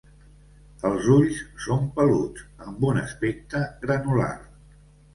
Els ulls són peluts amb un aspecte granular.